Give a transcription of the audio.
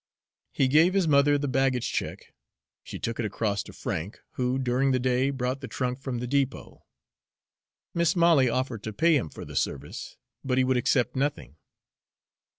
He gave his mother the baggage check. She took it across to Frank, who, during the day, brought the trunk from the depot. Mis' Molly offered to pay him for the service, but he would accept nothing.